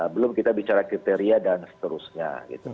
belum kita bicara kriteria dan seterusnya